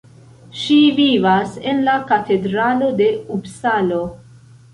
Ŝi vivas en la Katedralo de Upsalo.